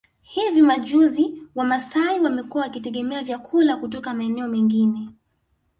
Hivi majuzi Wamasai wamekuwa wakitegemea vyakula kutoka maeneo mengine